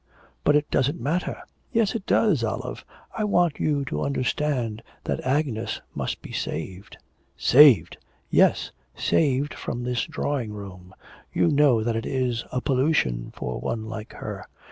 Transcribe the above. But it doesn't matter.' 'Yes, it does, Olive. I want you to understand that Agnes must be saved.' 'Saved!' 'Yes, saved from this drawing room; you know that it is a pollution for one like her.'